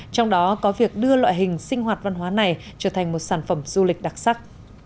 trong đó có việc đưa loại hình sinh hoạt văn hóa này trở thành một sản phẩm du lịch đặc sắc